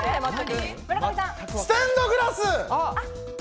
ステンドグラス！